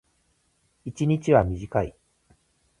一日は短い。